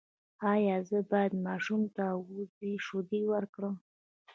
ایا زه باید ماشوم ته د وزې شیدې ورکړم؟